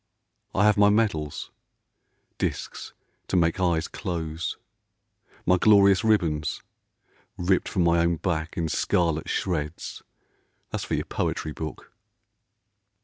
I have my medals ?— Discs to make eyes close, My glorious ribbons ?— Ripped from my own back In scarlet shreds. [That's for your poetry book.